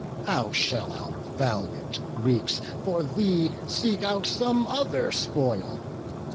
How shall our valiant Greeks for thee seek out Some other spoil?